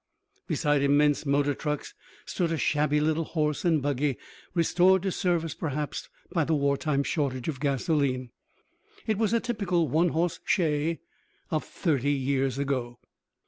Beside immense motor trucks stood a shabby little horse and buggy, restored to service, perhaps, by the war time shortage of gasoline. It was a typical one horse shay of thirty years ago.